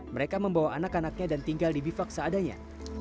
mereka membawa anak anaknya dan tinggal di bifak seadanya